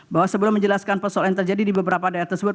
bahwa sebelum menjelaskan persoalan yang terjadi di beberapa daerah tersebut